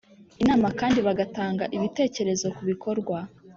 Inama kandi bagatanga ibitekerezo ku bikorwa